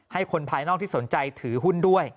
ให้คนภายนอกที่สนใจถือหุ้นด้วย